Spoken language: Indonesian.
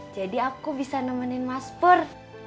jadi aku bisa nemenin mas pur